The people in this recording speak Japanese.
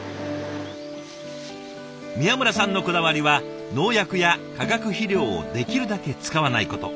宮村さんのこだわりは農薬や化学肥料をできるだけ使わないこと。